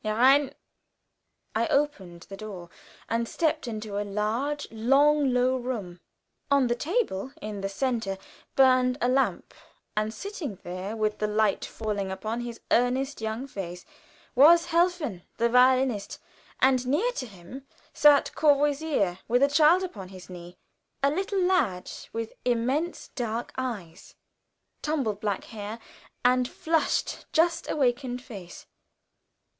"Herein!" I opened the door, and stepped into a large, long, low room. On the table, in the center, burned a lamp, and sitting there, with the light falling upon his earnest young face, was Helfen, the violinist, and near to him sat Courvoisier, with a child upon his knee, a little lad with immense dark eyes, tumbled black hair, and flushed, just awakened face.